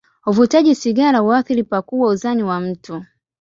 Uvutaji sigara huathiri pakubwa uzani wa mtu.